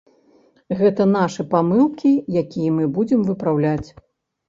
Гэта нашы памылкі, якія мы будзем выпраўляць.